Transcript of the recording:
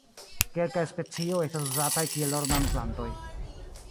Kelkaj specioj estas uzataj kiel ornamplantoj.